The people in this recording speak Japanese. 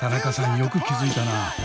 よく気付いたなぁ。